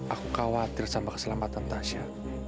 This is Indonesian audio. aku khawatir sama keselamatan tasya